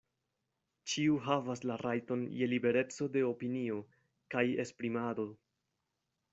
Ĉiu havas la rajton je libereco de opinio kaj esprimado.